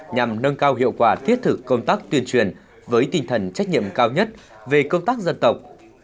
nhằm nâng cao hiệu quả thiết thực công tác tuyên truyền với tinh thần trách nhiệm cao nhất về công tác dân tộc